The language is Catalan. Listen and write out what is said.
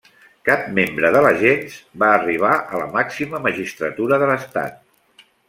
Cap membre de la gens va arribar a la màxima magistratura de l'estat.